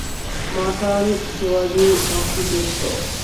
মাতাল, জোয়ারি, অকৃতিত্ব!